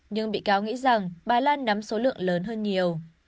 nhưng bị cáo nghĩ rằng bà lan nắm số lượng lớn hơn nhiều